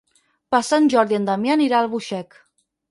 Per Sant Jordi en Damià anirà a Albuixec.